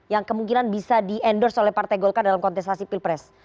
yang kemungkinan bisa di endorse oleh partai golkar dalam kontestasi pilpres